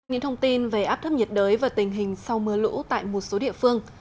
những thông tin về áp thấp nhiệt đới và tình hình sau mưa lũ tại một số địa phương